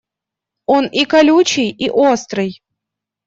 Он и колючий и острый.